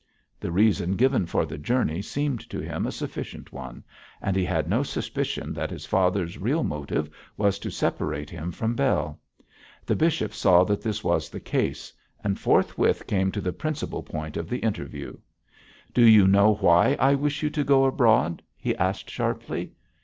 The reason given for the journey seemed to him a sufficient one, and he had no suspicion that his father's real motive was to separate him from Bell. The bishop saw that this was the case, and forthwith came to the principal point of the interview. 'Do you know why I wish you to go abroad?' he asked sharply.